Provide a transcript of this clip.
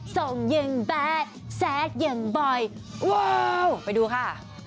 ส่งอย่างแบดแซกอย่างบ่อยว้าวไปดูค่ะ